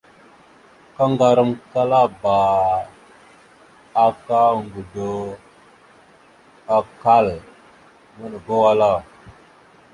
Kaŋgarəkaləba aka ŋgədo, akkal, maɗəba wal.